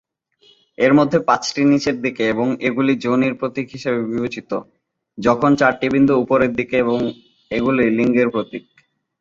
এর মধ্যে পাঁচটি নিচের দিকে এবং এগুলি যোনির প্রতীক হিসাবে বিবেচিত, যখন চারটি বিন্দু উপরের দিকে এবং এগুলি লিঙ্গের প্রতীক।